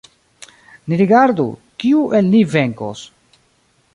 Ni rigardu, kiu el ni venkos!